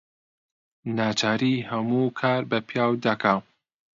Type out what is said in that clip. ناچاری هەموو کار بە پیاو دەکا